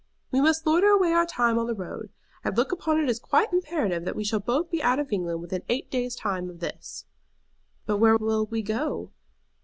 "We must loiter away our time on the road. I look upon it as quite imperative that we shall both be out of England within eight days' time of this." "But where will you go?"